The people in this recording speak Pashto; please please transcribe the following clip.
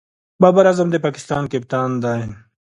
بابر اعظم د پاکستان کپتان دئ.